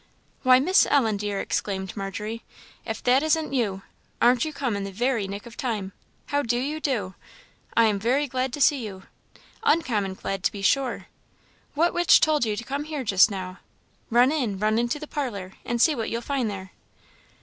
"Why, Miss Ellen, dear!" exclaimed Margery "if that isn't you! Aren't you come in the very nick of time! How do you do? I am very glad to see you uncommon glad, to be sure. What witch told you to come here just now? Run in; run into the parlour, and see what you'll find there."